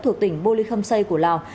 thuộc tỉnh bô lê khâm sây của lào